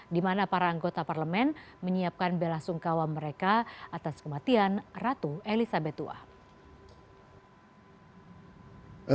di mana para anggota parlemen menyiapkan bela sungkawa mereka atas kematian ratu elizabeth ii